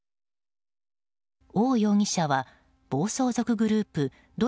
オウ容疑者は暴走族グループ怒